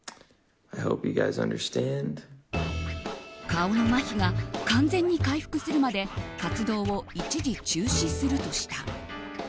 顔のまひが完全に回復するまで活動を一時中止するとした。